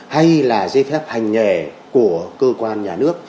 hay là giấy phép hành nghề của cơ quan nhà nước